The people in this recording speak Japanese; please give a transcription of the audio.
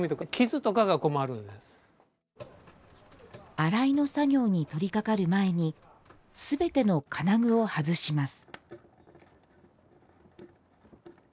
洗いの作業に取りかかる前に全ての金具を外します。